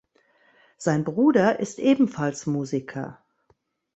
Sein Bruder ist ebenfalls Musiker.